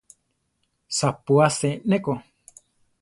Sapú asé ne ko.